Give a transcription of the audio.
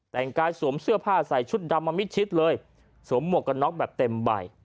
แต่งกายสวมเสื้อผ้าใส่ชุดดำมามิดชิดเลยสวมหมวกกันน็อกแบบเต็มใบ